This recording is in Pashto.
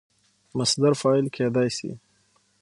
مصدر فاعل کېدای سي.